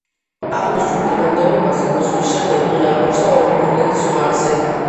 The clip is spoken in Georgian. აღნიშნულ თანამდებობაზე მოსვლის შემდეგ იგი აღმოჩნდა ორი მოვლენის ზღვარზე.